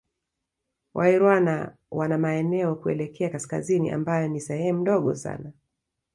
Wairwana wana maeneo kuelekea Kaskazini ambayo ni sehemu ndogo sana